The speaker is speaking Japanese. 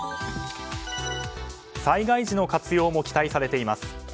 災害時の活用も期待されています。